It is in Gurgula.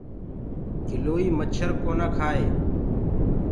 گِلوئيٚ مڇر ڪونآ ڪهآئي۔